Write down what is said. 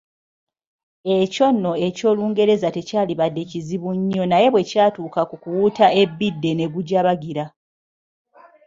Ekyo nno eky'olungereza tekyalibadde kizibu nnyo naye bwe kyatuuka ku kuwuuta ebbidde ne gujabajjira.